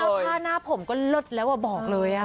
เพราะว่าผ้าหน้าผมก็ลดแล้วอะบอกเลยอะ